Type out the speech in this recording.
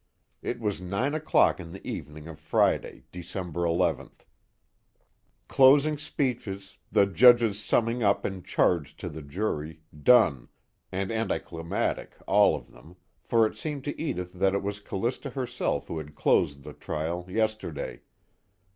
It was nine o'clock in the evening of Friday, December 11th. Closing speeches, the judge's summing up and charge to the jury done, and anticlimactic all of them, for it seemed to Edith that it was Callista herself who had closed the trial, yesterday.